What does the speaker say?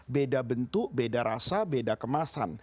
beda bentuk beda rasa beda kemasan